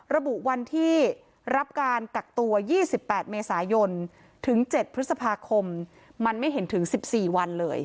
ระบุวันที่รับการกักตัว๒๘เมษายนถึง๗พฤษภาคมมันไม่เห็นถึง๑๔วันเลย